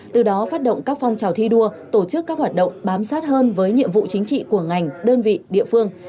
từ đó phát động các phong trào thi đua tổ chức các hoạt động bám sát hơn với nhiệm vụ chính trị của ngành đơn vị địa phương